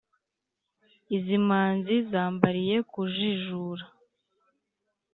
Izi manzi, zambariye kujijura